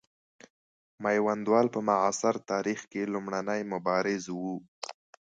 میوندوال په معاصر تاریخ کې لومړنی مبارز وو.